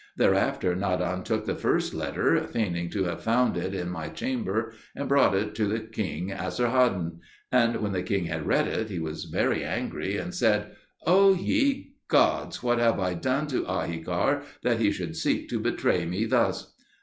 Thereafter Nadan took the first letter, feigning to have found it in my chamber, and brought it to king Esarhaddon. And when the king had read it, he was very angry and said, "O ye gods! what have I done to Ahikar that he should seek to betray me thus?"